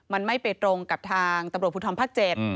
มันไม่ไปตรงกับทางตับโรปผูทรพักเจ็บ